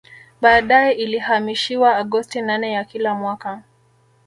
Baadae ilihamishiwa Agosti nane ya kila mwaka